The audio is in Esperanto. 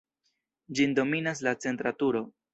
Ĝin dominas la centra turo.